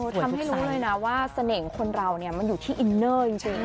ทำให้รู้เลยนะว่าเสน่ห์คนเรามันอยู่ที่อินเนอร์จริง